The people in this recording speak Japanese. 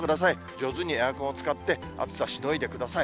上手にエアコンを使って、暑さ、しのいでください。